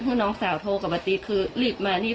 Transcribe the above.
คือน้องสาวโทรกับปฏิษฐ์คือรีบมานี่